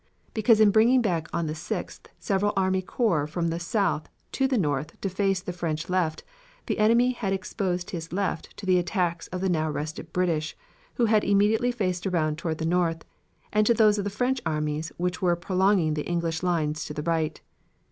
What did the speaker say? Because in bringing back on the 6th several army corps from the south to the north to face the French left, the enemy had exposed his left to the attacks of the now rested British, who had immediately faced around toward the north, and to those of the French armies which were prolonging the English lines to the right.